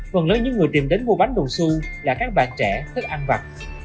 phần lớn những người tìm đến mua bánh đồng su là các bà trẻ thích ăn vặt